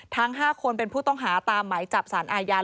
ทั้ง๕คนเป็นผู้ต้องหาตามหมายจับสารอาญา